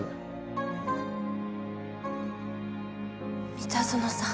三田園さん